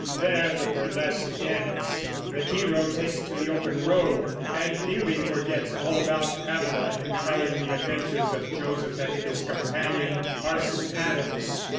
There the burlesque ends; the hero takes to the open road, and Fielding forgets all about Pamela in telling the adventures of Joseph and his companion, Parson Adams.